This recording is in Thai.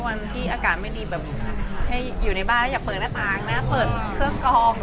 วันที่อากาศไม่ดีอยู่ในบ้านอย่าเปิดหน้าตางน่าเปิดเครื่องกอง